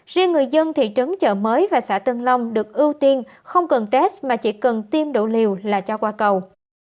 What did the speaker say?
riêng người dân thị trấn chợ mới và xã tân long được ưu tiên không cần test mà chỉ cần tiêm độ liều là cho qua cầu